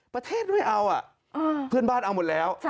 ประเทศไม่เอาเพื่อนบ้านเอาหมดแล้ว